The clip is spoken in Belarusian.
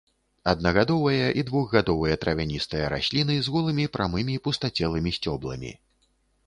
Аднагадовыя і двухгадовыя травяністыя расліны з голымі, прамымі, пустацелымі сцёбламі.